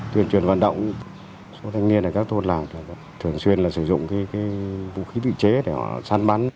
tuyên truyền vận động số thanh niên ở các thôn làng thường xuyên là sử dụng vũ khí tự chế để họ săn bắn